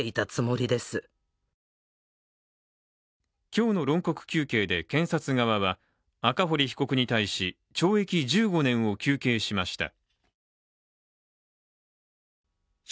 今日の論告求刑で検察側は赤堀被告に対し、懲役１５年を求刑しました。